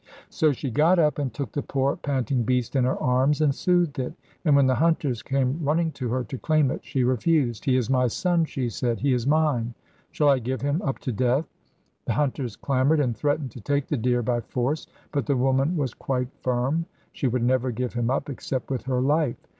So she got up and took the poor panting beast in her arms and soothed it, and when the hunters came running to her to claim it she refused. 'He is my son,' she said, 'he is mine. Shall I give him up to death?' The hunters clamoured and threatened to take the deer by force, but the woman was quite firm. She would never give him up except with her life.